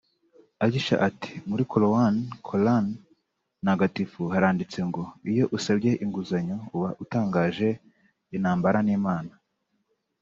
Aisha ati “Muri korowani (Coran) Ntagatifu haranditse ngo iyo usabye inguzanyo uba utangaje intambara n’Imana